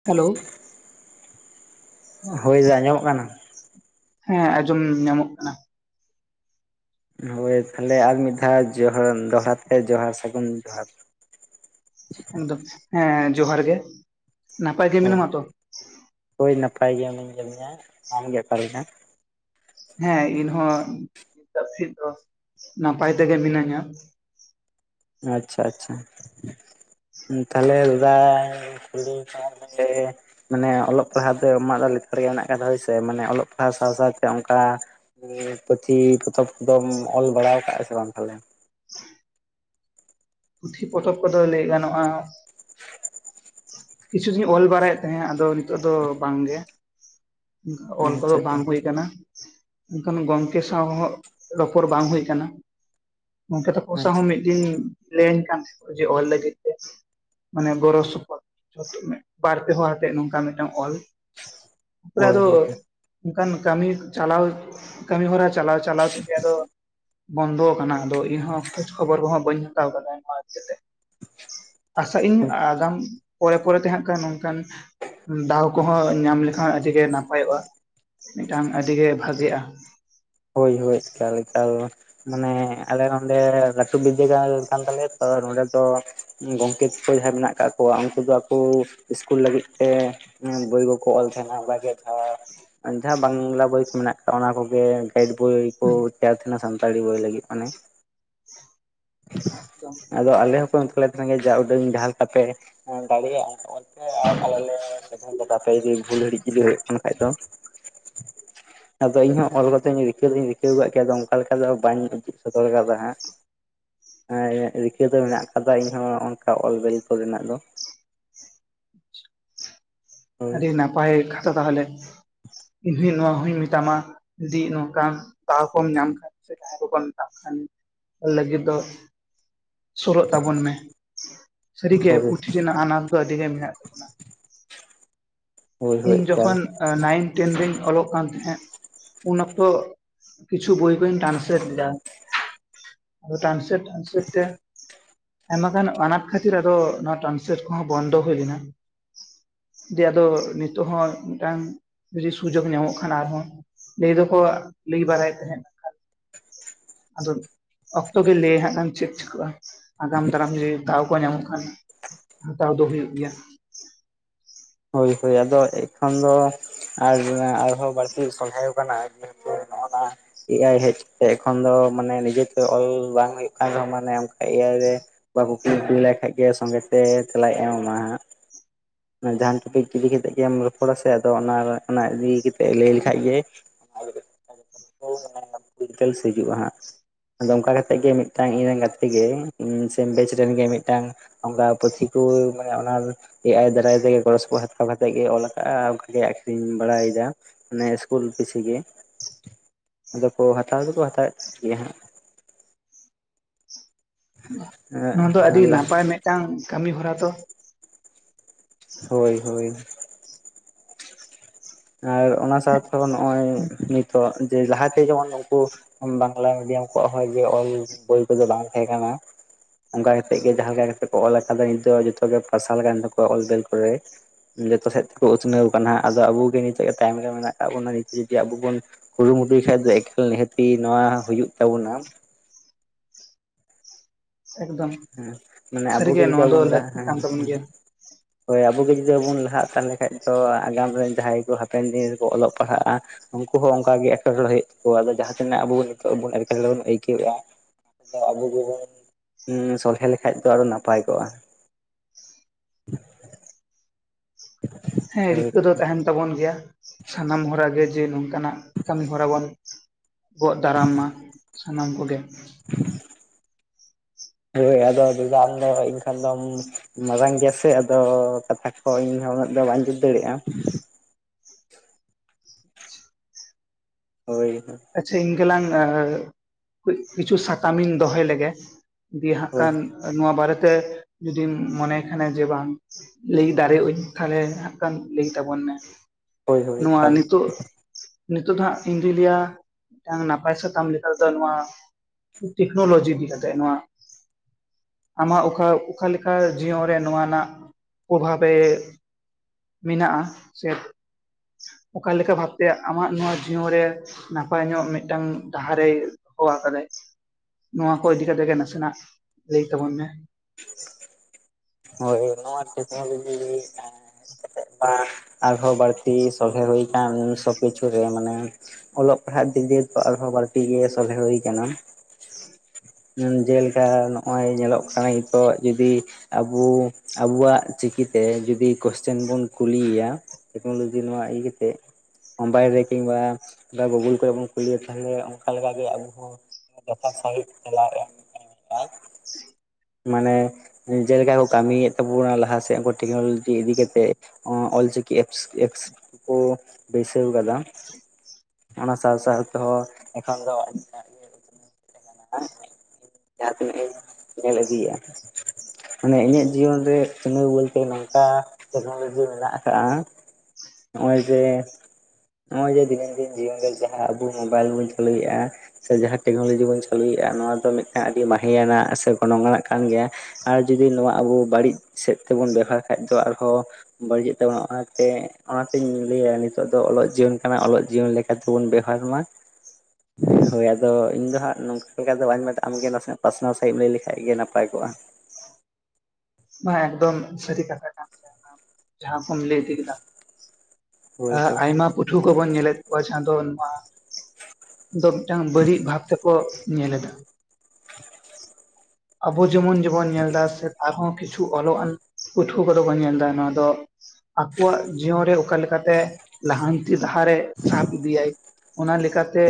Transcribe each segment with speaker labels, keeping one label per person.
Speaker 1: Hello
Speaker 2: ᱦᱳᱭ ᱫᱟ ᱟᱸᱡᱚᱢᱚᱜ ᱠᱟᱱᱟ᱾
Speaker 1: ᱦᱮᱸ ᱟᱸᱡᱚᱢ ᱧᱟᱢᱚᱜ ᱠᱟᱱᱟ᱾
Speaker 2: ᱦᱳᱭ ᱛᱟᱦᱞᱮ ᱟᱨ ᱢᱤᱫ ᱫᱷᱟᱣ ᱫᱚᱦᱲᱟᱛᱮ ᱡᱚᱦᱟᱨ ᱥᱟᱹᱜᱩᱱ ᱡᱚᱦᱟᱨᱼᱼ
Speaker 1: ᱮᱠᱫᱚᱢ ᱦᱮᱸ ᱡᱚᱦᱟᱨ ᱜᱮ ᱱᱟᱯᱟᱭ ᱜᱮ
Speaker 2: ᱦᱳᱭ
Speaker 1: ᱢᱮᱱᱟᱢᱟᱛᱚᱼᱼ
Speaker 2: ᱦᱳᱭ ᱱᱟᱯᱟᱭ ᱜᱮ ᱢᱤᱱᱟᱹᱧ ᱟᱠᱟᱫ ᱫᱤᱧᱟ ᱟᱢᱜᱮ ᱚᱠᱟᱞᱮᱠᱟ᱾
Speaker 1: ᱦᱮᱸ ᱤᱧᱦᱚᱹ ᱱᱤᱛ ᱫᱚ ᱱᱟᱯᱟᱭ ᱛᱮᱜᱮ ᱢᱤᱱᱟᱹᱧᱟ᱾
Speaker 2: ᱟᱪᱪᱷᱟ ᱪᱷᱟ ᱛᱟᱦᱚᱞᱮ ᱫᱟᱫᱟ [unintelligible] ᱢᱟᱱᱮ ᱚᱞᱚᱜ ᱯᱟᱲᱦᱟᱜ ᱫᱚ ᱟᱢᱟᱜ ᱫᱚ ᱞᱮᱛᱟᱲ ᱜᱮ ᱢᱮᱱᱟᱜ ᱟᱠᱟᱫᱟ ᱦᱭᱥᱮ ᱢᱟᱱᱮ ᱚᱞᱚᱜ ᱯᱟᱲᱦᱟᱜ ᱥᱟᱶ ᱥᱟᱶᱛᱮ ᱚᱱᱠᱟ᱾ ᱯᱩᱛᱷᱤ ᱯᱚᱛᱚᱵ ᱠᱚᱫᱚᱢ ᱚᱞ ᱵᱟᱲᱟᱣ ᱟᱠᱟᱜᱼᱟ ᱥᱮ ᱵᱟᱝ ᱛᱟᱦᱚᱞᱮᱼᱼ
Speaker 1: ᱯᱩᱛᱷᱤ ᱯᱚᱛᱚᱵ ᱠᱚᱫᱚ ᱞᱟᱹᱭ ᱜᱟᱱᱚᱜᱼᱟ᱾ ᱠᱤᱪᱷᱩ ᱫᱩᱧ ᱚᱞ ᱵᱟᱲᱟᱭᱮᱫ ᱛᱟᱦᱮᱸᱜ ᱟᱫᱚ ᱱᱤᱛᱚᱜ ᱫᱚ ᱵᱟᱝ ᱜᱮᱼᱼ ᱚᱞ
Speaker 2: ᱟᱪᱪᱷᱟ
Speaker 1: ᱠᱚᱫᱚ ᱵᱟᱝ
Speaker 2: ᱟᱪᱪᱷᱟ
Speaker 1: ᱦᱩᱭ ᱟᱠᱟᱱᱟ᱾ ᱢᱮᱱᱠᱷᱟᱱ ᱜᱚᱝᱠᱮ ᱥᱟᱶ ᱦᱚᱸ ᱨᱚᱯᱚᱲ ᱵᱟᱝ ᱦᱩᱭ ᱟᱠᱟᱱᱟ ᱜᱚᱢᱠᱮ ᱛᱟᱠᱚ ᱥᱟᱶ
Speaker 2: ᱟᱪᱪᱷᱟ
Speaker 1: ᱦᱚᱸ ᱢᱤᱫᱼᱼ [inaudible] ᱠᱟᱱ ᱛᱟᱦᱮᱸᱣᱟ ᱡᱮ ᱚᱞ ᱞᱟᱹᱜᱤᱫ ᱛᱮ ᱢᱟᱱᱮ ᱜᱚᱲᱚ ᱥᱚᱯᱚᱦᱚᱫᱼᱼ ᱵᱟᱨ ᱯᱮ ᱦᱚᱲ ᱟᱛᱮᱫ ᱱᱚᱝᱠᱟ ᱢᱤᱫᱴᱟᱱ ᱚᱞ ᱛᱯᱚᱨᱮ
Speaker 2: ᱦᱳᱭ
Speaker 1: ᱟᱫᱚ
Speaker 2: ᱦᱳᱭ
Speaker 1: ᱚᱱᱠᱟᱱ ᱠᱟᱹᱢᱤ ᱪᱟᱞᱟᱣ ᱠᱟᱹᱢᱤᱦᱚᱨᱟᱞᱟᱣ ᱪᱟᱞᱟᱣᱜᱮᱫᱚᱼᱼ ᱵᱚᱱᱫᱚ ᱟᱠᱟᱱᱟ ᱟᱫᱚ ᱤᱧᱦᱚᱸ ᱠᱷᱳᱡᱽ ᱠᱷᱚᱵᱚᱨ ᱠᱚᱦᱚᱸ ᱵᱟᱹᱧ ᱦᱟᱛᱟᱣ ᱟᱠᱟᱫᱟ ᱱᱚᱣᱟ ᱤᱫᱤᱠᱟᱛᱮᱼᱼ ᱟᱥᱟᱜ ᱟᱹᱧ ᱟᱜᱟᱢ ᱯᱚᱨᱮ ᱯᱚᱨᱮ ᱛᱮ ᱦᱟᱸᱜ ᱠᱷᱟᱱ ᱱᱚᱝᱠᱟᱱᱼᱼ ᱫᱟᱣ ᱠᱚᱦᱚᱸ ᱧᱟᱢ ᱞᱮᱠᱷᱟᱱ ᱟᱹᱰᱤᱜᱮ ᱱᱟᱯᱟᱭᱚᱜᱼᱟ᱾ ᱢᱤᱫᱴᱟᱝ ᱟᱹᱰᱤᱜᱮ ᱵᱷᱟᱜᱮᱜᱼᱟ᱾
Speaker 2: ᱦᱳᱭ ᱦᱳᱭ [inaudible] ᱢᱟᱱᱮ ᱟᱞᱮ ᱱᱚᱰᱮ ᱞᱟᱴᱩ ᱵᱤᱫᱟᱜᱟᱲ ᱠᱟᱱ ᱛᱟᱞᱮᱭᱟ ᱛᱚ ᱱᱚᱰᱮ ᱫᱚᱼᱼ ᱜᱚᱝᱠᱮ ᱛᱟᱠᱚ ᱡᱟᱦᱟᱸᱭ ᱢᱮᱱᱟᱜ ᱟᱠᱟᱫ ᱠᱚᱣᱟ ᱩᱱᱠᱩ ᱫᱚ ᱟᱠᱚ ᱤᱥᱠᱩᱞ ᱞᱟᱹᱜᱤᱫ ᱛᱮᱼᱼ ᱵᱳᱭ ᱠᱚᱠᱚ ᱚᱞ ᱛᱟᱦᱮᱱᱟ ᱚᱱᱠᱟᱜᱮ ᱡᱟᱦᱟᱸ ᱡᱟᱦᱟᱸ ᱵᱟᱝᱞᱟ ᱵᱳᱭ ᱠᱚ ᱢᱮᱱᱟᱜ ᱟᱠᱟᱫ ᱚᱱᱟ ᱠᱚᱜᱮᱼᱼ ᱴᱟᱭᱴ ᱵᱳᱭ ᱠᱚ
Speaker 1: ᱦᱩᱸ
Speaker 2: ᱛᱮᱭᱟᱨ ᱛᱟᱦᱮᱱᱟ ᱥᱟᱱᱛᱟᱲᱤ ᱵᱳᱭ ᱞᱟᱹᱜᱤᱫ ᱢᱟᱱᱮᱼᱼ
Speaker 1: ᱮᱠᱫᱚᱢ
Speaker 2: ᱟᱫᱚ ᱟᱞᱮ ᱦᱚᱸᱠᱚ ᱢᱮᱛᱟᱞᱮ ᱛᱟᱦᱮᱱ ᱜᱮᱭᱟ ᱡᱟ ᱩᱰᱟᱹ ᱰᱟᱦᱞ ᱠᱟ ᱠᱟᱛᱮ ᱫᱟᱲᱮᱭᱟᱜᱼᱟ᱾ ᱟᱞᱮ ᱞᱮ ᱡ ᱵᱷᱩᱞ ᱜᱷᱟᱹᱲᱤᱡ ᱡᱩᱫᱤ ᱦᱩᱭᱩᱜ ᱠᱟᱱ ᱠᱷᱟᱡ ᱫᱚᱼᱼ [unintelligible] ᱟᱫᱚ ᱤᱧᱦᱚᱸ ᱚᱞ ᱠᱟᱛᱮ ᱨᱤᱠᱟᱹᱧ ᱨᱤᱠᱟᱹᱣ ᱟᱠᱟᱫ ᱜᱮᱭᱟ ᱟᱫᱚ ᱚᱱᱠᱟ ᱞᱮᱠᱟ ᱫᱚ ᱵᱟᱹᱧ ᱩᱫᱩᱜ ᱥᱚᱫᱚᱨ ᱟᱠᱟᱫᱟ ᱦᱟᱸᱜᱼᱼ ᱦᱮᱸ ᱨᱤᱠᱟᱹ ᱫᱚ ᱢᱮᱱᱟᱜ ᱟᱠᱟᱫᱟ ᱤᱧ ᱦᱚᱸ ᱝᱠᱟ ᱚᱞ ᱵᱤᱞ ᱠᱚ ᱨᱮᱱᱟᱜ ᱫᱚᱼᱼ ᱦᱳᱭ
Speaker 1: ᱟᱹᱰᱤ ᱱᱟᱯᱟᱭ ᱠᱟᱛᱷᱟ ᱛᱟᱦᱚᱞᱮ ᱤᱧᱦᱚᱸ ᱱᱚᱣᱟ ᱦᱚᱧ ᱢᱮᱛᱟᱢᱟᱼᱼ ᱡᱩᱫᱤ ᱱᱚᱝᱠᱟᱱ ᱫᱟᱣ ᱠᱚᱢ ᱧᱟᱢ ᱠᱷᱟᱱ ᱥᱮ ᱡᱟᱦᱟᱸᱟᱸᱭ ᱠᱚᱵ ᱢᱮᱛᱟᱜ ᱠᱷᱟᱱᱼᱼ ᱚᱞ ᱞᱟᱹᱜᱤᱫ ᱫᱚ ᱥᱩᱨᱚᱜ ᱛᱟᱵᱚᱱ ᱢᱮ ᱥᱟᱹᱨᱤᱜᱮ
Speaker 2: ᱦᱳᱭ
Speaker 1: ᱯᱩᱛᱷᱤ ᱨᱮᱱᱟᱜ ᱟᱱᱟᱴ ᱫᱚ ᱟᱹᱰᱤᱜ ᱢᱮᱱᱟᱜ ᱛᱟᱵᱚᱱᱟ᱾
Speaker 2: ᱦᱳᱭ ᱦᱳᱭ
Speaker 1: ᱤᱧ
Speaker 2: ᱮᱠᱟᱞ
Speaker 1: ᱡᱚᱠᱷᱚᱱ ᱱᱟᱭᱤᱱ ᱴᱮᱱ ᱨᱮᱤᱧ ᱚᱞᱚᱜ ᱠᱟᱱ ᱛᱟᱦᱮᱸᱫᱼᱼ ᱩᱱ ᱚᱠᱛᱚ ᱠᱤᱪᱷᱩ ᱵᱳᱭ ᱠᱚᱧ ᱴᱟᱱᱥᱞᱮᱴ ᱞᱮᱫᱟ᱾ ᱟᱫᱚ ᱴᱟᱱᱥᱮᱴ ᱴᱟᱱᱥᱮᱴ ᱛᱮ ᱟᱭᱢᱟ ᱜᱟᱱ ᱟᱱᱟᱴ ᱠᱷᱟᱹᱛᱤᱨ ᱟᱫᱚ ᱱᱚᱣᱟ ᱴᱨᱟᱱᱥᱞᱮᱴ ᱠᱚᱦᱚᱸ ᱵᱚᱱᱫᱚ ᱦᱩᱭ ᱞᱮᱱᱟ᱾ ᱡᱮ ᱟᱫᱚ ᱱᱤᱛᱚᱜ ᱦᱚᱸ ᱢᱤᱫᱴᱟᱝ ᱡᱫᱤ ᱥᱩᱡᱳᱜ ᱧᱟᱢᱚᱜ ᱠᱷᱟᱱ ᱟᱨᱦᱚᱸ ᱞᱟᱹᱭ ᱫᱚᱠᱚ ᱞᱟᱹᱭ ᱵᱟᱲᱟᱭ ᱛᱟᱦᱮᱸᱱᱟ ᱠᱷᱟᱱ ᱟᱫᱚ ᱚᱠᱛᱚ ᱜᱮ ᱞᱟᱹᱭ ᱦᱟᱜ ᱪᱮᱫ ᱪᱤᱠᱟᱹᱜᱼᱟ ᱟᱜᱟᱢ ᱫᱟᱨᱟᱢ ᱡᱩᱫᱤ ᱫᱟᱣ ᱠᱚ ᱧᱟᱢᱚᱜ ᱠᱷᱟᱱ ᱦᱟᱛᱟᱣ ᱫᱚ ᱦᱩᱭᱩᱜ ᱜᱮᱭᱟ᱾
Speaker 2: ᱦᱳᱭ ᱦᱳᱭ, ᱟᱫᱚ ᱮᱠᱷᱟᱱ ᱫᱚ ᱟᱨ ᱟᱨᱦᱚᱸ ᱵᱟᱹᱲᱠᱤ ᱥᱚᱞᱦᱮ ᱟᱠᱟᱱᱟᱦ ᱱᱚᱜ ᱮ ᱟᱭ ᱦᱮᱡ ᱮᱠᱷᱚᱱ ᱫᱚ ᱢᱟᱱᱮ ᱱᱤᱡᱮᱛᱮ ᱚᱞ ᱵᱟᱝ ᱦᱩᱭᱩᱜ ᱠᱟᱱ ᱨᱮᱦᱚᱸ ᱢᱟᱱᱮ ᱚᱱᱠᱟ ᱤᱭᱟᱭ ᱨᱮ ᱵᱟᱠᱚ ᱠᱤ ᱠᱤ ᱞᱮᱠᱟᱱᱡ ᱜᱮ ᱥᱚᱸᱜᱮ ᱛᱮ ᱛᱮᱞᱟᱭ ᱮᱢᱟ ᱦᱟᱸᱜ᱾ ᱡᱟᱦᱟᱸ ᱪᱮᱫ ᱤᱫᱤ ᱠᱟᱛᱮᱫ ᱜᱮᱢ ᱨᱚᱯᱚᱲᱟ ᱥᱮ? ᱟᱫᱚ ᱚᱱᱟ ᱚᱱᱟ ᱤᱫᱤ ᱠᱟᱛᱮ ᱞᱟᱹᱭ ᱞᱮᱠᱷᱟᱡ ᱜᱮ [unintelligible] ᱦᱤᱡᱩᱜᱼᱟ, ᱦᱟᱸᱜ ᱾ ᱟᱫᱚ ᱚᱱᱠᱟ ᱠᱟᱛᱮᱜ ᱜᱮ ᱢᱤᱫᱴᱟᱝ ᱤᱧ ᱨᱮᱱ ᱜᱟᱛᱮ ᱜᱮ ᱥᱮ ᱵᱮᱪ ᱨᱮᱱ ᱜᱮ ᱢᱤᱫᱴᱟᱝ ᱚᱱᱠᱟ ᱯᱩᱛᱷᱤ ᱠᱚ ᱢᱟᱱᱮ ᱚᱱᱟ ᱮ ᱟᱭ ᱫᱟᱨᱟᱭ ᱛᱮᱜᱮ ᱜᱚᱲᱚ ᱥᱚᱯ ᱦᱟᱛᱟᱣ ᱠᱟᱛᱮᱫ ᱜᱮ ᱚᱞ ᱟᱠᱟᱫᱼᱟ᱾ ᱚᱱᱠᱟ ᱜᱮ ᱟᱹᱠᱷᱨᱤᱧ ᱵᱟᱲᱟᱭ ᱮᱫᱟ᱾ ᱚᱱᱮ ᱤᱥᱠᱩᱞ ᱯᱤᱪᱷᱤ ᱜᱮ ᱟᱫᱚ ᱠᱚ ᱦᱟᱛᱟᱣ ᱫᱚᱠᱚ ᱦᱟᱛᱟᱣᱮᱫ ᱜᱮᱭᱟ ᱦᱟᱸᱜ᱾
Speaker 1: ᱱᱚᱣᱟ ᱫᱚ ᱟᱹᱰᱤ
Speaker 2: ᱦᱟᱸᱜ
Speaker 1: ᱱᱟᱯᱟᱭ ᱢᱤᱫᱴᱟᱝ ᱠᱟᱹᱢᱤ ᱦᱚᱨᱟ ᱛᱚ᱾
Speaker 2: ᱦᱳᱭ, ᱦᱳᱭ᱾ ᱟᱨ ᱚᱱᱟ ᱥᱟᱶᱛᱮ ᱱᱚᱜᱼᱚᱭ ᱱᱤᱛᱚᱜ ᱡᱮ ᱞᱟᱦᱟ ᱛᱮ ᱡᱮᱢᱚᱱ ᱩᱱᱠᱩ ᱵᱟᱝᱞᱟ ᱢᱤᱰᱤᱭᱟᱢ ᱠᱚᱣᱟᱜ ᱦᱚᱸ ᱡᱮ ᱚᱞ ᱵᱳᱭ ᱠᱚᱫᱚ ᱵᱟᱝ ᱛᱟᱦᱮᱸ ᱠᱟᱱᱟ᱾ ᱚᱱᱠᱟ ᱠᱟᱛᱮᱜ ᱜᱮ ᱡᱟᱦᱟᱸ ᱞᱮᱠᱟ ᱠᱟᱛᱮᱜ ᱠᱚ ᱚᱞ ᱟᱠᱟᱫᱟ ᱱᱤᱛ ᱫᱚ ᱡᱚᱛᱚ ᱜᱮ ᱯᱥᱟᱞ ᱟᱠ ᱛᱟᱠᱚᱣᱟ ᱚᱞ ᱵᱮᱞ ᱠᱚᱨᱮ ᱡᱚᱛᱚ ᱥᱮᱫ ᱛᱮᱠᱚ ᱩᱛᱱᱟᱹᱣ ᱠᱟᱱᱟ ᱟᱫᱚ ᱟᱵᱚ ᱜᱮ ᱱᱤᱛᱚᱜ ᱛᱟᱭᱚᱢ ᱨᱮ ᱢᱮᱱᱟᱜ ᱠᱟᱜ ᱵᱚᱱᱟ ᱱᱤᱛ ᱡᱩᱫᱤ ᱟᱵᱚ ᱵᱚᱱ ᱠᱩᱨᱩᱢᱩᱴᱩᱭ ᱠᱷᱟᱱᱡ ᱫᱚ ᱮᱞ ᱱᱤᱦᱟᱹᱛᱤ ᱱᱚᱣᱟ ᱦᱩᱭᱩᱜ ᱛᱟᱵᱚᱱᱟ᱾
Speaker 1: ᱮᱠᱫᱚᱢ
Speaker 2: ᱦᱮᱸ ᱢᱟᱱᱮ ᱟᱵᱚ
Speaker 1: ᱥᱟᱹᱨᱤᱜᱮ
Speaker 2: ᱜᱮ ᱡᱩᱫᱤ
Speaker 1: ᱱᱚᱣᱟ ᱫᱚ
Speaker 2: ᱟᱵᱚᱱ
Speaker 1: ᱞᱟᱹᱠᱛᱤ ᱠᱟᱱ
Speaker 2: ᱞᱟᱦᱟᱜᱼᱟ᱾
Speaker 1: ᱛᱟᱵᱚᱱ ᱜᱮᱭᱟ
Speaker 2: ᱦᱳᱭ ᱟᱵᱚ ᱜᱮ ᱡᱩᱫᱤ ᱵᱟᱵᱚᱱ ᱞᱟᱦᱟᱜᱼᱟ, ᱛᱟᱦᱚᱞᱮ ᱠᱷᱟᱱ ᱫᱚ ᱟᱜᱟᱢ ᱨᱮᱱ ᱡᱟᱦᱟᱸᱭ ᱠᱚ ᱦᱟᱯᱮᱱ ᱫᱤᱱ ᱨᱮᱠᱚ ᱚᱞᱚᱜ ᱯᱟᱲᱦᱟᱜᱼᱟ᱾ ᱩᱱᱠᱩ ᱦᱚᱸ ᱚᱱᱠᱟ ᱜᱮ ᱮᱴᱠᱮ-ᱴᱚᱬᱮ ᱦᱩᱭᱩᱜ ᱛᱟᱠᱚᱣᱟ᱾ ᱟᱫᱚ ᱡᱟᱦᱟᱸ ᱛᱤᱱᱟᱹᱜ ᱟᱵᱚᱵᱚᱱ ᱱᱤᱛᱚᱜ ᱵᱚᱱ ᱮᱴᱠᱮᱴᱚᱬᱮ ᱵᱚᱱ ᱟᱹᱭᱠᱟᱹᱣᱮᱫᱼᱟ᱾ ᱟᱵᱚ ᱜᱮᱵᱚᱱ ᱥᱚᱞᱦᱮ ᱞᱮᱠᱷᱟᱡ ᱫᱚ ᱟᱨ ᱱᱟᱯᱟᱭ ᱠᱚᱜᱼᱟ᱾
Speaker 1: ᱦᱮᱸ
Speaker 2: ᱦᱳᱭ
Speaker 1: ᱨᱤᱠᱟᱹ ᱫᱚ ᱛᱟᱦᱮᱱ ᱛᱟᱵᱚᱱ ᱜᱮᱭᱟ᱾ ᱥᱟᱱᱟᱢ ᱦᱚᱲᱟᱜ ᱜᱮ ᱡᱮ ᱱᱚᱝᱠᱟᱱᱟᱜ ᱠᱟᱹᱢᱤ ᱦᱚᱨᱟ ᱵᱚᱱ ᱜᱚᱜ ᱫᱟᱨᱟᱢ ᱢᱟ ᱥᱟᱱᱟᱢ ᱠᱚᱜᱮ
Speaker 2: [inaudible] ᱦᱳᱭ ᱟᱫᱚ ᱫᱟᱫᱟ ᱟᱢ ᱫᱚ ᱤᱧ ᱠᱷᱟᱱ ᱫᱚᱢ ᱢᱟᱨᱟᱝ ᱜᱮᱭᱟ ᱥᱮ ᱟᱫᱚ ᱠᱟᱛᱷᱟ ᱦᱳᱭ, ᱤᱧ ᱫᱚ ᱦᱟᱜ ᱩᱱᱟᱹᱜ ᱫᱚ ᱵᱟᱹᱧ ᱡᱩᱛ ᱫᱟᱲᱮᱜᱼᱟ᱾ ᱦᱳᱭ᱾
Speaker 1: ᱟᱪᱪᱷᱟ ᱤᱧ ᱜᱮᱞᱟᱝ ᱠᱤᱪᱷᱩ ᱥᱟᱛᱟᱢ ᱤᱧ ᱫᱚᱦᱚᱭ ᱞᱮᱜᱮ᱾ ᱫᱤ ᱦᱟᱸᱜ
Speaker 2: ᱦᱳᱭ
Speaker 1: ᱠᱟᱱ ᱱᱚᱣᱟ ᱵᱟᱨᱮᱛᱮ ᱡᱩᱫᱤᱢ ᱢᱚᱱᱮ ᱠᱷᱟᱱᱮ ᱡᱮ ᱵᱟᱝ ᱞᱟᱹᱭ ᱫᱟᱲᱮᱭᱟᱜᱼ ᱟ᱾ ᱟᱧ ᱛᱟᱦᱞᱮ ᱱᱟᱜ ᱠᱷᱟᱱ ᱞᱟᱹᱭ ᱛᱟᱵᱚᱱ ᱢᱮ?
Speaker 2: ᱦᱳᱭ ᱦᱳᱭ
Speaker 1: ᱱᱚᱣᱟ
Speaker 2: ᱮᱠᱟᱞ
Speaker 1: ᱱᱤᱛᱳᱜ ᱱᱤᱛᱳᱜ ᱫᱚ ᱦᱟᱜ ᱤᱧᱫᱩᱧ ᱞᱟᱹᱭᱟ ᱢᱤᱫᱴᱟᱝ ᱱᱟᱯᱟᱭ ᱥᱟᱛᱟᱢ ᱞᱮᱠᱟ ᱛᱮᱫᱚ ᱱᱚᱣᱟ ᱴᱮᱠᱱᱳᱞᱚᱡᱤ ᱤᱫᱤ ᱠᱟᱛᱮᱜ ᱱᱚᱣᱟ᱾ ᱟᱢᱟᱜ ᱚᱠᱟ ᱚᱠᱟᱞᱮᱠᱟ ᱡᱤᱭᱚᱱ ᱨᱮ ᱱᱚᱣᱟ ᱨᱮᱱᱟᱜ ᱚᱵᱷᱟᱹᱵᱮ ᱢᱮᱱᱟᱜᱼᱟ ᱥᱮ ᱚᱠᱟᱮ ᱞᱮᱠᱟ ᱵᱷᱟᱵᱛᱮ ᱟᱢᱟᱜ ᱱᱚᱣᱟ ᱡᱤᱭᱚᱱ ᱨᱮ ᱱᱟᱯᱟᱭ ᱧᱚᱜ ᱢᱤᱫᱴᱟᱝ ᱰᱟᱦᱟᱨᱮ ᱫᱚᱦᱚ ᱟᱠᱟᱫᱟᱭ ᱱᱚᱣᱟ ᱠᱚ ᱤᱫᱤ ᱠᱟᱛᱮ ᱜᱮ ᱱᱟᱥᱮᱱᱟᱜ ᱞᱟᱹᱭ ᱛᱟᱵᱚᱱ ᱢᱮ᱾
Speaker 2: ᱦᱳᱭ ᱱᱚᱣᱟ ᱴᱮᱠᱱᱚᱞᱚᱡᱤ [unintelligible] ᱟᱨᱦᱚᱸ ᱵᱟᱹᱲᱛᱤ ᱥᱚᱞᱮ ᱦᱩᱭ ᱟᱠᱟᱱ ᱥᱚᱵᱽ ᱠᱤᱪᱷᱩ ᱦᱮᱸ ᱢᱟᱱᱮ ᱚᱞᱚᱜ ᱯᱟᱲᱦᱟᱜ ᱫᱤᱠᱫᱤᱭᱮ ᱛᱚ ᱟᱨᱦᱚᱸ ᱵᱟᱹᱲᱛᱤ ᱜᱮ ᱥᱚᱞᱦᱮ ᱦᱩᱭ ᱟᱠᱟᱱᱟ᱾ ᱡᱮᱞᱮᱠᱟ ᱱᱚᱜᱼᱚᱭ ᱧᱮᱞᱚᱜ ᱠᱟᱱᱟ ᱱᱤᱛᱚᱜ ᱡᱩᱫᱤᱼᱼ ᱟᱵᱚ ᱟᱵᱩᱣᱟᱜ ᱪᱤᱠᱤᱛᱮ ᱡᱚᱫᱤ ᱠᱚᱥᱪᱮᱱ ᱵᱩᱱ ᱠᱩᱞᱤᱭᱮᱭᱟ᱾ ᱴᱮᱠᱱᱳᱞᱚᱡᱤ ᱱᱚᱣᱟ ᱤᱫᱤ ᱠᱟᱛᱮ᱾ ᱢᱳᱵᱟᱭᱤᱞ ᱨᱮ ᱠᱤᱵᱟ ᱜᱩᱜᱩᱞ ᱠᱚᱨᱮ ᱵᱚᱱ ᱠᱩᱞᱮ ᱛᱟᱦᱚᱞᱮ ᱚᱱᱠᱟ ᱞᱮᱠᱟᱜᱮ ᱟᱵᱚ ᱦᱚᱸᱼᱼ ᱫᱟᱸᱥᱟᱨ [unintelligible] ᱢᱟᱱᱮ ᱡᱮᱞᱮᱠᱟ ᱠᱚ ᱠᱟᱹᱢᱤᱭᱮᱫ ᱛᱟᱵᱚᱱᱟ ᱞᱟᱦᱟᱥᱮᱫ ᱴᱮᱠᱱᱳᱞᱚᱡᱤ ᱤᱫᱤ ᱠᱟᱛᱮᱜᱼᱼ ᱚᱞᱪᱤᱠᱤ ᱮᱯᱥ ᱮᱯᱥ ᱠᱚ ᱵᱟᱹᱭᱥᱟᱹᱣ ᱠᱟᱫᱟ᱾ ᱚᱱᱟ ᱥᱟᱶ ᱥᱟᱶ ᱛᱮᱦᱚᱸ ᱮᱠᱷᱚᱱ ᱫᱚ᱾ [unintelligible] ᱡᱟᱦᱟᱸ ᱛᱤᱱᱟᱹᱜ ᱤᱧ ᱧᱮᱞ ᱤᱫᱤᱭᱮᱫᱼᱟ ᱢᱟᱱᱮ ᱤᱧᱟᱹᱜ ᱡᱤᱭᱚᱱ ᱨᱮ ᱪᱤᱱᱦᱟᱹᱣ ᱵᱚᱞᱛᱮ ᱱᱚᱝᱠᱟ ᱴᱮᱠᱱᱳᱞᱚᱡᱤ ᱢᱮᱱᱟᱜ ᱠᱟᱜ-ᱟ ᱠᱟᱜᱼᱟ᱾ ᱱᱚᱜᱼᱚᱭ ᱡᱮ᱾ ᱱᱚᱜᱼᱚᱭ ᱡᱮ ᱫᱤᱱᱟᱹᱢ ᱫᱤᱱ ᱡᱤᱭᱚᱱ ᱨᱮ ᱡᱟᱦᱟᱸ ᱟᱵᱚ ᱢᱳᱵᱟᱭᱤᱞ ᱵᱚᱱ ᱪᱟᱹᱞᱩᱭᱮᱫᱼᱟ᱾ ᱥᱮ ᱡᱟᱦᱟᱸ ᱴᱮᱠᱱᱳᱞᱚᱡᱤ ᱵᱚᱱ ᱪᱟᱹᱞᱩᱭᱮᱫᱼᱟ ᱱᱚᱣᱟ ᱫᱚ ᱢᱤᱫᱴᱟᱝ ᱟᱹᱰᱤ ᱢᱟᱦᱮᱤᱭᱟᱱᱟᱜ ᱥᱮᱼᱼ ᱱᱚᱝᱠᱟᱱᱟᱜ ᱠᱟᱱ ᱜᱮᱭᱟ ᱟᱨ ᱡᱩᱫᱤ ᱱᱚᱣᱟ ᱟᱵᱚ ᱵᱟᱹᱲᱤᱡ ᱥᱮᱫ ᱛᱮᱵᱚᱱ ᱵᱮᱵᱚᱦᱟᱨ ᱠᱷᱟᱡ ᱫᱚ ᱟᱨᱦᱚᱸᱼᱼ ᱵᱟᱹᱲᱤᱡᱚᱜ ᱛᱟᱵᱚᱱᱟ ᱚᱱᱟᱛᱮ ᱚᱱᱟᱛᱤᱧ ᱞᱟᱹᱭᱟ ᱱᱤᱛᱚᱜ ᱫᱚ ᱚᱞᱚᱜ ᱡᱤᱭᱚᱱ ᱠᱟᱱᱟ ᱚᱞᱚᱜ ᱡᱤᱭᱚᱱ ᱞᱮᱠᱟᱛᱮᱼᱼ ᱵᱚᱱ ᱵᱮᱣᱦᱟᱨ ᱢᱟ᱾ ᱦᱳᱭ ᱟᱫᱚ ᱤᱧᱫᱚ ᱦᱟᱸᱜ ᱱᱚᱝᱠᱟ ᱞᱮᱠᱟ ᱫᱚ ᱵᱟᱹᱧ ᱟᱢᱜᱮ ᱱᱟᱥᱮᱱᱟᱜ ᱯᱟᱥᱱᱟᱣ ᱥᱟᱦᱤᱡ ᱮᱢ ᱞᱟᱹᱭ ᱞᱮᱠᱷᱟᱱᱼᱼ ᱠᱷᱟᱡ ᱜᱮ ᱱᱟᱯᱟᱭ ᱠᱚᱜᱼᱟ᱾
Speaker 1: ᱵᱟᱝ ᱮᱠᱫᱚᱢ ᱥᱟᱹᱨᱤ ᱠᱟᱛᱷᱟ ᱠᱟᱱ ᱜᱮᱭᱟ ᱱᱚᱣᱟ ᱫᱚ᱾ ᱡᱟᱦᱟᱸ ᱠᱚᱢ ᱞᱟᱹᱭ ᱤᱫᱤ ᱠᱮᱫᱟ
Speaker 2: ᱦᱳᱭ
Speaker 1: ᱟ
Speaker 2: ᱦᱳᱭ
Speaker 1: ᱟᱭᱢᱟᱼᱼ ᱯᱟᱹᱴᱷᱩᱣᱟᱹ ᱠᱚᱵᱚᱱ ᱧᱮᱞᱮᱫ ᱠᱚᱣᱟ ᱢᱟᱦᱟᱸ ᱫᱚ ᱱᱚᱣᱟᱼᱼ ᱫᱚ ᱢᱤᱫᱴᱟᱝ ᱵᱟᱹᱲᱤᱡ ᱵᱷᱟᱵᱽ ᱛᱮᱠᱚ ᱧᱮᱞ ᱮᱫᱟ᱾ ᱟᱵᱚ ᱡᱮᱢᱚᱱ ᱡᱮᱢᱚᱱ ᱧᱮᱞ ᱮᱫᱟ ᱥᱮ ᱟᱨᱦᱚᱸᱼᱼ ᱠᱤᱪᱷᱩ ᱚᱞᱚᱜ ᱟᱱ ᱯᱟᱹᱴᱷᱩᱣᱟᱹ ᱠᱚᱫᱚ ᱠᱚ ᱧᱮᱞ ᱫᱟ ᱱᱚᱣᱟ ᱫᱚ ᱟᱠᱚᱣᱟᱜ ᱡᱤᱭᱚᱱ ᱨᱮ ᱚᱠᱟᱞᱮᱠᱼᱼ ᱞᱮᱠᱟᱛᱮ ᱞᱟᱦᱟᱱᱛᱤ ᱞᱟᱦᱟᱨᱮ ᱥᱟᱵ ᱤᱫᱤᱭᱟᱭ ᱚᱱᱟ ᱞᱮᱠᱟᱛᱮ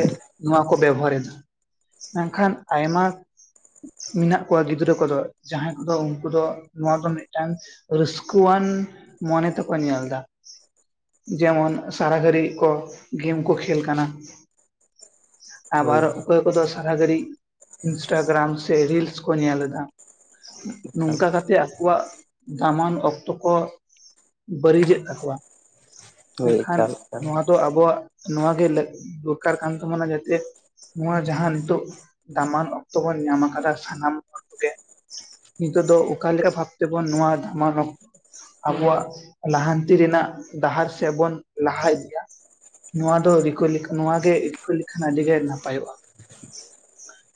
Speaker 1: ᱱᱚᱣᱟᱼᱼ ᱠᱚ ᱵᱮᱵᱷᱟᱨ ᱮᱫᱟ ᱢᱮᱱᱠᱷᱟᱱ ᱟᱭᱢᱟᱼᱼ ᱢᱮᱱᱟᱜ ᱠᱚᱣᱟ ᱜᱤᱫᱽᱨᱟᱹ ᱠᱚᱫᱚ ᱡᱟᱦᱟᱸᱭ ᱠᱚᱫᱚ ᱩᱱᱠᱩ ᱫᱚᱼᱼ ᱱᱚᱣᱟ ᱫᱚ ᱢᱤᱫᱴᱟᱝ ᱨᱟᱹᱥᱠᱟᱹᱣᱟᱱ ᱢᱚᱱᱮ ᱛᱮᱠᱚ ᱧᱮᱞᱫᱟ᱾ ᱡᱮᱢᱚᱱ ᱥᱟᱨᱟ ᱜᱷᱟᱹᱲᱤᱡ ᱠᱚ ᱜᱷᱤᱢ ᱠᱚ ᱠᱷᱮᱞ ᱠᱟᱱᱟ᱾
Speaker 2: ᱦᱳᱭ
Speaker 1: ᱟᱵᱟᱨ ᱚᱠᱚᱭ ᱠᱚᱫᱚ ᱥᱟᱨᱟ ᱜᱷᱟᱹᱲᱤᱡ ᱤᱱᱥᱴᱟᱜᱨᱟᱢ ᱥᱮ ᱨᱤᱞᱥ ᱠᱚ ᱧᱮᱞ ᱮᱫᱟ᱾
Speaker 2: ᱮᱠᱟᱞ
Speaker 1: ᱱᱚᱝᱠᱟ ᱠᱟᱛ ᱛᱮ ᱟᱠᱚᱣᱟᱜ ᱫᱟᱢᱟᱱ ᱚᱠᱛᱚ ᱠᱚ ᱵᱟᱹᱲᱤᱡᱮᱫ ᱛᱟᱠᱚᱣᱟ᱾
Speaker 2: ᱦᱳᱭ
Speaker 1: ᱢᱮᱱᱠᱷᱟᱱ
Speaker 2: ᱮᱠᱟᱞ ᱮᱠᱟᱞ
Speaker 1: ᱱᱚᱣᱟ ᱫᱚ ᱟᱵᱚᱣᱟᱜᱼᱼ ᱱᱚᱣᱟᱜᱮ ᱞᱟᱹᱜ ᱫᱚᱨᱠᱟᱨ ᱠᱟᱱ ᱛᱟᱵᱚᱱᱟ ᱡᱟᱛᱮᱼᱼ ᱱᱚᱣᱟ ᱡᱟᱦᱟᱸ ᱱᱤᱛᱚᱜ ᱫᱟᱢᱟᱱ ᱚᱠᱛᱚ ᱵᱚᱱ ᱧᱟᱢ ᱟᱠᱟᱫᱟ ᱥᱟᱱᱟᱢ ᱦᱚᱲ ᱠᱚᱜᱮᱼᱼ ᱱᱤᱛᱚᱜ ᱫᱚ ᱚᱠᱟᱮᱠᱟ ᱵᱷᱟᱵ ᱛᱮᱵᱚᱱ ᱱᱚᱣᱟ ᱫᱟᱢᱟᱱ ᱚᱠ ᱟᱵᱚᱣᱟᱜ ᱞᱟᱦᱟᱱᱛᱤ ᱨᱮᱱᱟᱜ ᱰᱟᱦᱟᱨ ᱥᱮᱫ ᱵᱚᱱ ᱞᱟᱦᱟ ᱤᱫᱤᱜ-ᱟ ᱱᱚᱣᱟ ᱫᱚ ᱨᱤᱠᱳᱭ ᱞᱮᱠᱷᱟᱱ ᱱᱚᱣᱟᱜᱮ ᱨᱤᱠᱟᱹᱭ ᱞᱮᱠᱷᱟᱱ ᱟᱹᱰᱤ ᱜᱮ ᱱᱟᱯᱟᱭᱚᱜᱼᱟ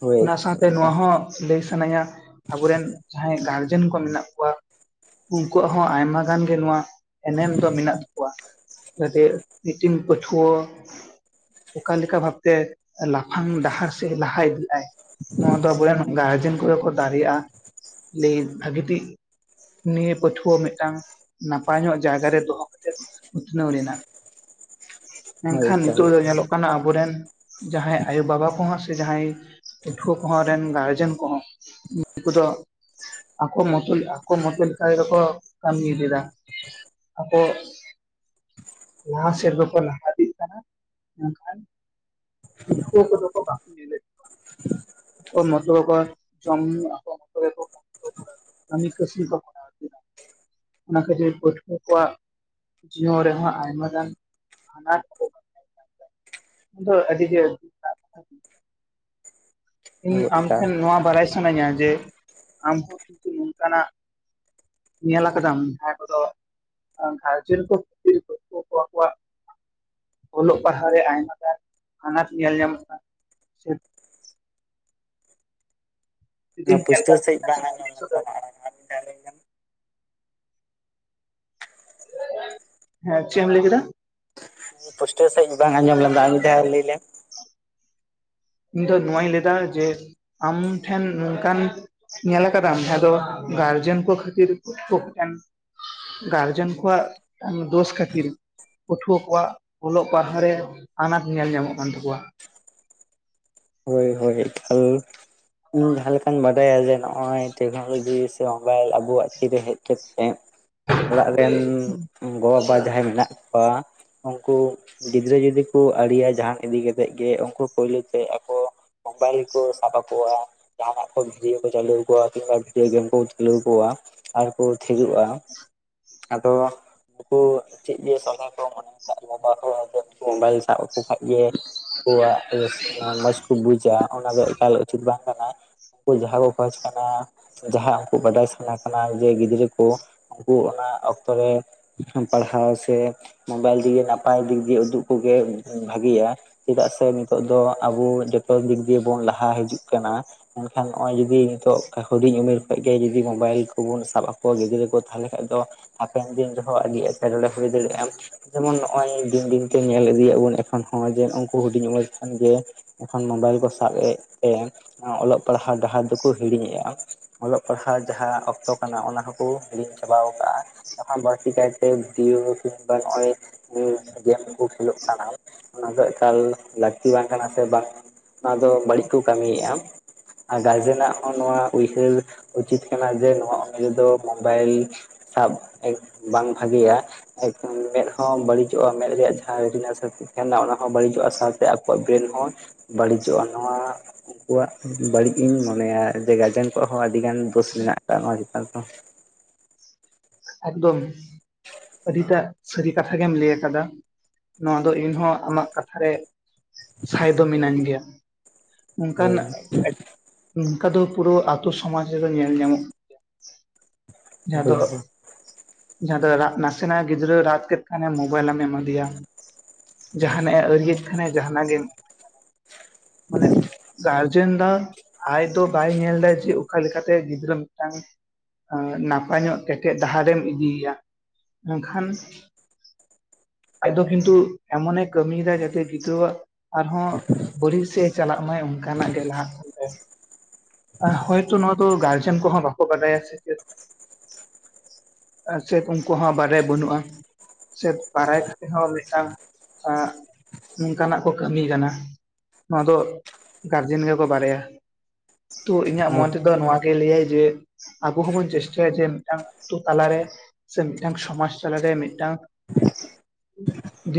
Speaker 2: ᱦᱳᱭ
Speaker 1: ᱚᱱᱟ
Speaker 2: ᱦᱳᱭ
Speaker 1: ᱥᱟᱶᱛᱮ ᱱᱚᱣᱟ
Speaker 2: ᱮᱠᱟᱞ
Speaker 1: ᱦᱚᱸ ᱞᱟᱹᱭ ᱥᱟᱱᱟᱧᱟ ᱟᱵᱚᱨᱮᱱ ᱡᱟᱦᱟᱸᱭ ᱜᱟᱨ ᱡᱮᱱ ᱠᱚ ᱢᱮᱱᱟᱜ ᱠᱚᱣᱟ ᱩᱱᱠᱩᱣᱟᱜ ᱦᱚᱸ ᱟᱭᱢᱟ ᱜᱟᱱ ᱜᱮ ᱱᱚᱣᱟ ᱮᱱᱮᱢ ᱫᱚ ᱢᱮᱱᱟᱜ ᱛᱟᱠᱚᱣᱟ᱾ ᱡᱟᱛᱮ ᱢᱤᱫᱤᱴᱤᱱ ᱯᱟᱹᱴᱷᱣᱟᱹᱼᱼ ᱚᱠᱟᱞᱮᱠᱟ ᱵᱷᱟᱵᱛᱮ ᱞᱟᱯᱷᱟᱝ ᱰᱟᱦᱟᱨ ᱥᱮᱫ ᱞᱟᱦᱟ ᱤᱫᱤ ᱟᱭᱼᱼ ᱱᱚᱣᱟ ᱫᱚ ᱟᱵᱚᱨᱮᱱ ᱜᱟᱨᱡᱮᱱ ᱠᱚᱜᱮ ᱠᱚ ᱫᱟᱲᱮᱭᱟᱜᱼᱟ ᱞᱮᱭ ᱵᱷᱟᱹᱜᱮ ᱴᱷᱤᱠ᱾ ᱱᱤᱭᱟᱹ ᱯᱟᱹᱴᱷᱣᱟᱹ ᱢᱤᱫᱴᱟᱝ᱾ ᱱᱟᱯᱟᱭ ᱧᱚᱜ ᱡᱟᱭᱜᱟᱨᱮ ᱫᱚᱦᱚ ᱠᱟᱛᱮᱫ ᱩᱛᱱᱟᱹᱣ ᱨᱮᱱᱟᱜ
Speaker 2: ᱦᱳᱭ
Speaker 1: ᱢᱮᱱᱠᱷᱟᱱ
Speaker 2: ᱮᱠᱟᱞ
Speaker 1: ᱱᱤᱛᱳᱜ ᱫᱚ
Speaker 2: ᱮᱠᱟᱞ
Speaker 1: ᱧᱮᱞᱚᱜ ᱠᱟᱱᱟ ᱟᱵᱚᱨᱮᱱ ᱡᱟᱦᱟᱸᱭ ᱟᱭᱳᱵᱟᱵᱟ ᱠᱚᱦᱚᱸ ᱥᱮ ᱡᱟᱦᱟᱸᱭ ᱯᱟᱹᱴᱷᱩᱣᱟᱹ ᱠᱚᱦᱚᱸ ᱨᱮᱱ ᱜᱟᱨᱡᱮᱱ ᱠᱚᱦᱚᱸ ᱩᱱᱠᱩ ᱫᱚ ᱟᱠᱚ ᱢᱚᱛᱚ ᱟᱠᱚ ᱢᱚᱛᱚ ᱞᱮᱠᱟ ᱜᱮᱠᱚ ᱠᱟᱹᱢᱤ ᱠᱮᱫᱟ ᱟᱠᱚ ᱞᱟᱦᱟ ᱥᱮᱫ ᱫᱚᱠᱚ ᱞᱟᱦᱟ ᱤᱫᱤᱜ ᱠᱟᱱᱟ ᱢᱮᱱᱠᱷᱟᱱ [unintelligible] [unintelligible] ᱡᱚᱢ ᱧᱩ ᱠᱟᱹᱢᱤ ᱠᱟᱹᱥᱱᱤ ᱠᱚ ᱠᱚᱨᱟᱣ ᱤᱫᱤᱭᱮᱫᱟ ᱚᱱᱟ ᱠᱷᱟᱹᱛᱤᱨ ᱯᱟᱹᱴᱷᱩᱣᱟᱹ ᱠᱚᱣᱟᱜ ᱡᱤᱭᱚᱱ ᱨᱮᱦᱚᱸ ᱟᱭᱢᱟ ᱜᱟᱱ ᱟᱱᱟᱴ ᱫᱚ ᱟᱹᱰᱤ ᱜᱮ ᱤᱧ
Speaker 2: ᱦᱳᱭ ᱮᱠᱟᱞ
Speaker 1: ᱟᱢᱴᱷᱮᱱ ᱱᱚᱣᱟ ᱵᱟᱲᱟᱭ ᱥᱟᱱᱟᱧᱟ ᱡᱮ ᱟᱢᱦᱚᱸ ᱠᱤᱱᱛᱩ ᱱᱚᱝᱠᱟᱱᱟᱜ ᱧᱮᱞ ᱟᱠᱟᱫᱟᱢ ᱡᱟᱦᱟᱸ ᱠᱚᱫᱚ ᱜᱟᱨᱡᱮᱱ ᱠᱚ ᱠᱷᱟᱹᱛᱤᱨ ᱯᱟᱹᱴᱷᱩᱣᱟᱹ ᱠᱚᱣᱟᱜ ᱚᱞᱚᱜ ᱯᱟᱲᱦᱟᱣ ᱨᱮ ᱟᱭᱢᱟ ᱜᱟᱱ ᱟᱱᱟᱴ ᱧᱮᱞ ᱧᱟᱢᱚᱜ ᱠᱟᱱ ᱡᱩᱫᱤᱢ
Speaker 2: ᱱᱚᱣᱟ
Speaker 1: ᱧᱮᱞ
Speaker 2: ᱯᱩᱥᱴᱟᱹ
Speaker 1: ᱠᱟᱜ ᱠᱷᱟᱱ
Speaker 2: ᱥᱟᱦᱤᱡ ᱵᱟᱝ ᱟᱸᱡᱚᱢᱚᱜ
Speaker 1: [unintelligible] ᱦᱮᱸ ᱪᱮᱫ ᱮᱢ ᱞᱟᱹᱭ ᱠᱮᱫᱟ?
Speaker 2: ᱯᱩᱥᱴᱟᱹᱣ ᱥᱟᱸᱦᱤᱡ ᱵᱟᱝ ᱟᱸᱡᱚᱢ ᱞᱮᱱ ᱫᱚ ᱟᱨ ᱢᱤᱫ ᱫᱷᱟᱣ ᱞᱟᱹᱭ ᱞᱮᱢ
Speaker 1: ᱤᱧ ᱫᱚ ᱱᱚᱣᱟᱧ ᱞᱟᱹᱭᱫᱟ ᱡᱮ ᱟᱢᱴᱷᱮᱱ ᱱᱚᱝᱠᱟᱱ ᱧᱮᱞ ᱟᱠᱟᱫᱟᱢ ᱡᱟᱦᱟᱸ ᱫᱚ ᱜᱟᱨᱡᱮᱱ ᱠᱚ ᱠᱷᱟᱹᱛᱤᱨ [unintelligible] ᱜᱟᱨᱡᱮᱱ ᱠᱚᱣᱟᱜ ᱫᱳᱥ ᱠᱷᱟᱹᱛᱤᱨ ᱯᱟᱹᱴᱷᱩᱣᱟᱹ ᱠᱚᱣᱟᱜ ᱚᱞᱚᱜ ᱯᱟᱲᱦᱟᱣ ᱨᱮ ᱟᱱᱟᱴ ᱧᱮᱞ ᱧᱟᱢᱚᱜ ᱠᱟᱱ ᱛᱟᱠᱚᱣᱟ।
Speaker 2: ᱦᱳᱭ ᱦᱳᱭ [unintelligible] ᱤᱧ ᱡᱟᱦᱟ ᱞᱮᱠᱟᱧ ᱵᱟᱰᱟᱭᱟ ᱡᱮ ᱱᱚᱜᱼᱚᱭ ᱴᱮᱠᱱᱳᱞᱚᱡᱤᱥ ᱥᱮ ᱢᱳᱵᱟᱭᱤᱞ ᱟᱵᱚᱣᱟᱜ ᱛᱤᱨᱮ ᱦᱮᱡ ᱠᱟᱛᱮᱫ ᱚᱲᱟᱜ ᱨᱮᱱ ᱜᱚᱼᱵᱟᱵᱟ ᱡᱟᱦᱟᱸᱭ ᱢᱮᱱᱟᱜ ᱠᱚᱣᱟ ᱩᱱᱠᱩ ᱜᱤᱫᱽᱨᱟᱹ ᱡᱩᱫᱤ ᱠᱚ ᱟᱲᱤᱭᱟ ᱡᱟᱦᱟᱱ ᱤᱫᱤ ᱠᱟᱛᱮᱫ ᱜᱮ ᱩᱱᱠᱩ ᱯᱳᱭᱞᱳ ᱛᱮ ᱟᱠᱚ ᱢᱳᱵᱟᱭᱤᱞ ᱠᱚ ᱥᱟᱵᱽ ᱟᱠᱚᱣᱟ ᱡᱟᱦᱟᱱᱟᱜ ᱠᱚ ᱵᱷᱤᱰᱤᱭᱳ ᱠᱚ ᱪᱟᱹᱞᱩ ᱟᱠᱣᱟ ᱠᱤᱝᱵᱟ ᱵᱷᱤᱰᱤᱭᱳ ᱜᱮᱢ ᱠᱚ ᱠᱷᱞᱟᱹᱣ ᱟᱠᱚᱣᱟ ᱟᱨ ᱠᱚ ᱛᱷᱤᱨᱚᱜᱼᱟ ᱟᱫᱚ ᱩᱱᱩᱠᱩ ᱪᱮᱫ ᱡᱮ ᱥᱟᱱᱟ ᱠᱚᱣᱟ [unintelligible] ᱩᱱᱠᱩ ᱢᱳᱵᱟᱭᱤᱞ ᱥᱟᱵ ᱟᱠᱚ ᱠᱷᱟᱡ ᱜᱮ ᱟᱠᱚᱣᱟᱜ ᱨᱟᱹᱥᱠᱟᱹ ᱟᱱᱮ ᱢᱚᱸᱡᱽ ᱠᱚ ᱵᱩᱡᱟ ᱚᱱᱟ ᱫᱚ ᱮᱠᱟᱞ ᱩᱪᱤᱛ ᱵᱟᱝ ᱠᱟᱱᱟ ᱩᱱᱠᱩ ᱡᱟᱦᱟᱸ ᱠᱚ ᱠᱷᱚᱡ ᱠᱟᱱᱟ ᱡᱟᱦᱟᱸ ᱩᱱᱠᱩ ᱵᱟᱰᱟᱭ ᱥᱟᱱᱟ ᱠᱟᱱᱟ ᱡᱮ ᱜᱤᱫᱽᱨᱟᱹ ᱠᱚ ᱩᱱᱠᱩ ᱚᱱᱟ ᱚᱠᱛᱚ ᱨᱮ ᱯᱟᱲᱦᱟᱣ ᱥᱮ ᱢᱳᱵᱟᱭᱤᱞ ᱫᱤᱭᱮ ᱱᱟᱯᱟᱭ ᱫᱤᱠ ᱫᱤᱭᱮ ᱩᱫᱩᱜ ᱠᱚᱜᱮ ᱵᱷᱟᱜᱮᱭᱟ ᱪᱮᱫᱟᱜ ᱥᱮ ᱱᱤᱛᱚᱜ ᱫᱚ ᱟᱵᱚ ᱡᱚᱛᱚ ᱫᱤᱠ ᱫᱤᱭᱮ ᱵᱚᱱ ᱞᱟᱦᱟ ᱦᱤᱡᱩᱜ ᱠᱟᱱᱟ ᱢᱮᱱᱠᱷᱟᱱ ᱱᱚᱜᱼᱚᱭ ᱡᱩᱫᱤ ᱱᱤᱛᱚᱜ ᱦᱩᱰᱤᱧ ᱩᱢᱮᱨ ᱠᱷᱚᱡ ᱜᱮ ᱡᱩᱫᱤ ᱢᱳᱵᱟᱭᱤᱞ ᱠᱚᱵᱚᱱ ᱥᱟᱵ ᱟᱠᱚᱣᱟ ᱜᱤᱫᱽᱨᱟᱹ ᱠᱚ ᱛᱟᱞᱦᱮ ᱠᱷᱟᱡ ᱫᱚ ᱦᱟᱯᱮᱱ ᱫᱤᱱ ᱨᱮᱦᱚᱸ ᱟᱹᱰᱤ ᱮᱴᱠᱮᱴᱚᱬᱮ ᱦᱳᱭ ᱫᱟᱲᱮᱭᱟᱜᱼᱟ ᱡᱮᱢᱚᱱ ᱱᱚᱜ-ᱚᱭ ᱫᱤᱱ ᱫᱤᱱᱛᱮ ᱧᱮᱞ ᱤᱫᱤᱭᱮᱫ ᱵᱚᱱ ᱮᱠᱷᱚᱱ ᱦᱚᱸ ᱡᱮ ᱩᱱᱠᱩ ᱦᱩᱰᱤᱧ ᱩᱢᱮᱨ ᱠᱷᱚᱱ ᱜᱮ ᱠᱷᱚᱱ ᱢᱳᱵᱟᱭᱤᱞ ᱠᱚ ᱥᱟᱵ ᱮᱫ ᱛᱮ ᱚᱞᱚᱜ ᱯᱟᱲᱦᱟᱜ ᱰᱟᱦᱟᱨ ᱫᱚᱠᱚ ᱦᱤᱲᱤᱧᱮᱜᱼᱟ। ᱚᱞᱚᱜ ᱯᱟᱲᱦᱟᱜ ᱡᱟᱦᱟᱸ ᱚᱠᱛᱚ ᱠᱟᱱᱟ ᱚᱱᱟ ᱦᱚᱸᱠᱚ ᱦᱤᱲᱤᱧ ᱪᱟᱵᱟᱣ ᱠᱟᱜᱼᱟ। ᱡᱟᱦᱟ ᱵᱟᱹᱲᱛᱤ ᱠᱟᱭᱛᱮ ᱵᱷᱤᱰᱤᱭᱳ ᱠᱤᱝᱵᱟ ᱱᱚᱜ-ᱚᱭ ᱜᱮᱢ ᱠᱚ ᱠᱷᱮᱞᱳᱜ ᱠᱟᱱᱟ ᱚᱱᱟ ᱫᱚ ᱮᱠᱟᱞ ᱞᱟᱹᱠᱛᱤ ᱵᱟᱝ ᱠᱟᱱᱟ ᱥᱮ ᱵᱟᱝ ᱚᱱᱟ ᱫᱚ ᱵᱟᱹᱲᱤᱡ ᱠᱚ ᱠᱟᱹᱢᱤᱭᱮᱜᱼᱟ। ᱟᱨ ᱜᱟᱨᱡᱮᱱᱟᱜ ᱦᱚᱸ ᱱᱚᱣᱟ ᱩᱭᱦᱟᱹᱨ ᱩᱪᱤᱛ ᱠᱟᱱᱟ ᱡᱮ ᱱᱚᱣᱟ ᱩᱢᱮᱨ ᱫᱚ ᱢᱳᱵᱟᱭᱤᱞ ᱥᱟᱵ ᱮᱠ ᱵᱟᱝ ᱵᱷᱟᱜᱮᱭᱟ। ᱮᱠᱫᱚᱢ ᱢᱮᱫ ᱦᱚᱸ ᱵᱟᱹᱲᱤᱡᱚᱜᱼᱟ ᱢᱮᱫ ᱨᱮᱭᱟᱜ ᱡᱟᱦᱟᱸ ᱨᱮᱴᱤᱱᱟ ᱛᱟᱦᱮᱱᱟ ᱚᱱᱟ ᱦᱚᱸ ᱵᱟᱹᱲᱤᱡᱚᱜᱼᱟ ᱥᱟᱶᱛᱮ ᱟᱠᱚᱣᱟᱜ ᱵᱨᱮᱱ ᱦᱚᱸ ᱵᱟᱹᱲᱤᱡᱚᱜᱼᱟ ᱱᱚᱣᱟ ᱩᱱᱠᱩᱣᱟᱜ ᱵᱟᱹᱲᱤᱡ ᱤᱧ ᱢᱚᱱᱮᱭᱟ ᱡᱮ ᱜᱟᱨᱡᱮᱱ ᱠᱚᱣᱟᱜ ᱦᱚᱸ ᱟᱹᱰᱤ ᱜᱟᱱ ᱫᱳᱥ ᱢᱮᱱᱟᱜ ᱠᱟᱜ-ᱟ ᱱᱚᱣᱟ ᱪᱮᱛᱟᱱ ᱫᱚ
Speaker 1: ᱮᱠᱫᱚᱢ ᱟᱹᱰᱤᱴᱟᱜ ᱥᱟᱹᱨᱤ ᱠᱟᱛᱷᱟ ᱜᱮᱢ ᱞᱟᱹᱭ ᱟᱠᱟᱫᱟ ᱱᱚᱣᱟ ᱫᱚ ᱤᱧᱦᱚᱸ ᱟᱢᱟᱜ ᱠᱟᱛᱷᱟ ᱥᱟᱭᱫᱚ ᱢᱤᱱᱟᱹᱧ ᱜᱮᱭᱟ᱾ ᱚᱱᱠᱟᱱ
Speaker 2: ᱦᱳᱭ
Speaker 1: ᱚᱝᱠᱟ ᱫᱚ ᱯᱩᱨᱟᱹ ᱟᱛᱳ ᱥᱚᱢᱟᱡᱽ ᱨᱮᱫᱚ ᱧᱮᱞ ᱧᱟᱢᱚᱜ ᱡᱟᱦᱟᱸ
Speaker 2: ᱩᱱᱠᱩ
Speaker 1: ᱫᱚ
Speaker 2: ᱜᱮᱠᱚ
Speaker 1: ᱡᱟᱦᱟᱸ ᱫᱚ ᱨᱟᱜ ᱱᱟᱥᱮᱱᱟᱜ ᱜᱤᱫᱽᱨᱟᱹ ᱨᱟᱜ ᱠᱮᱫ ᱠᱷᱟᱱᱮ ᱢᱳᱵᱟᱭᱤᱞ ᱮᱢ ᱮᱢᱟ ᱫᱮᱭᱟ ᱡᱟᱦᱟᱱᱟᱜᱼᱮ ᱟᱹᱨᱤᱭᱮᱫ ᱠᱷᱟᱱᱮ ᱡᱟᱦᱱᱟᱜ ᱜᱮ ᱢᱟᱱᱮ ᱜᱟᱨᱡᱮᱱ ᱫᱚ ᱟᱡ ᱫᱚ ᱵᱟᱭ ᱧᱮᱞ ᱫᱟ ᱡᱮ ᱚᱠᱟ ᱞᱮᱠᱟᱛᱮ ᱜᱤᱫᱽᱨᱟᱹ ᱢᱤᱫᱴᱟᱝ ᱱᱟᱯᱟᱭ ᱧᱚᱜ ᱠᱮᱴᱮᱡ ᱰᱟᱦᱟᱨᱮᱢ ᱤᱫᱤᱭᱮᱭᱟ ᱢᱮᱱᱠᱷᱟᱱ ᱟᱡᱫᱚ ᱠᱤᱱᱛᱩ ᱮᱢᱚᱱᱮ ᱠᱟᱹᱢᱤᱭᱮᱫᱟ ᱡᱟᱛᱮ ᱜᱤᱫᱽᱨᱟᱹᱣᱟᱜ ᱟᱨᱦᱚᱸ ᱵᱟᱹᱲᱤᱡ ᱥᱮᱫ ᱮ ᱪᱟᱞᱟᱜ ᱢᱟᱭ ᱚᱱᱠᱟᱱᱟᱜ ᱜᱮ ᱞᱟᱦᱟᱜ ᱦᱚᱭᱛᱚ ᱱᱚᱣᱟ ᱫᱚ ᱜᱟᱨᱡᱮᱱ ᱠᱚᱦᱚᱸ ᱵᱟᱠᱚ ᱵᱟᱰᱟᱭᱟ ᱥᱮ ᱪᱮᱫ ᱥᱮ ᱩᱱᱠᱩ ᱦᱚᱸ ᱵᱟᱰᱟᱭ ᱵᱟᱹᱱᱩᱜᱼᱟ ᱪᱮᱫ ᱵᱟᱲᱟᱭ ᱠᱟᱛᱮ ᱦᱚᱸ ᱢᱤᱫᱴᱟᱝ ᱱᱚᱝᱠᱟᱱᱟᱜ ᱠᱚ ᱠᱟᱹᱢᱤ ᱠᱟᱱᱟ ᱱᱚᱣᱟ ᱫᱚ ᱜᱟᱨᱡᱮᱱ ᱜᱮᱠᱚ ᱵᱟᱲᱟᱭᱟ᱾ ᱛᱚ ᱤᱧᱟᱹᱜ ᱢᱚᱱ ᱛᱮᱫᱚ ᱱᱚᱣᱟ ᱜᱮ ᱞᱟᱹᱭᱟᱭ ᱡᱮ ᱟᱵᱚ ᱦᱚᱸᱵᱚᱱ ᱪᱮᱥᱴᱟᱭᱟ ᱡᱮ ᱢᱤᱫᱴᱟᱝ ᱟᱛᱳ ᱛᱟᱞᱟᱨᱮ ᱥᱮ ᱢᱤᱫᱴᱟᱝ ᱥᱚᱢᱟᱡᱽ ᱛᱟᱞᱟᱨᱮ ᱢᱤᱫᱴᱟᱝ ᱵᱟᱝ ᱟᱸᱡᱚᱢ ᱴᱷᱤᱠᱟᱹᱜ ᱠᱟᱱᱟ